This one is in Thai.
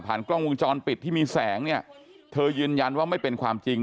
กล้องวงจรปิดที่มีแสงเนี่ยเธอยืนยันว่าไม่เป็นความจริง